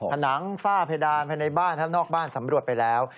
ผนังฝ้าเพดานภายในบ้านนอกบ้านสำรวจไปแล้ว